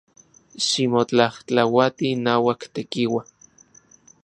Ximotlajtlauati inauak Tekiua.